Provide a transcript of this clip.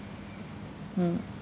うん。